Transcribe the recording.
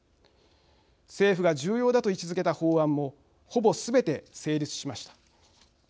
政府が重要だと位置づけた法案もほぼすべて成立しました。